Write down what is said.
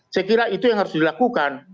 saya kira itu yang harus dilakukan